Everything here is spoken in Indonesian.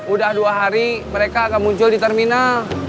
udah dua hari mereka akan muncul di terminal